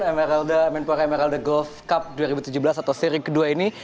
emeralda menpora emeralde golf cup dua ribu tujuh belas atau seri kedua ini